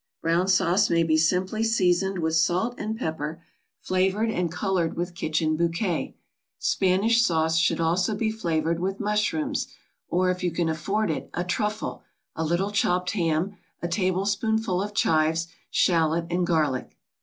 Brown sauce may be simply seasoned with salt and pepper, flavored and colored with kitchen bouquet. Spanish sauce should also be flavored with mushrooms, or if you can afford it, a truffle, a little chopped ham, a tablespoonful of chives, shallot and garlic.